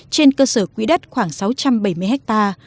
trên cơ sở quỹ đất khoảng sáu trăm bảy mươi ha